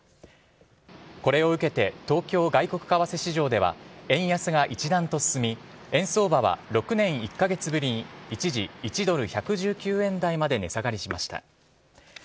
これを受けて東京外国為替市場では円安が一段と進み円相場は６年１カ月ぶりに一時、１ドル１１９円台まで値下がりしました。